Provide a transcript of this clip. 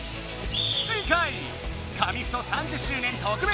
次回「紙フト３０周年特別試合」。